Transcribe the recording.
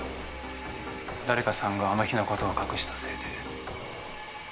誰かさんがあの日の事を隠したせいで。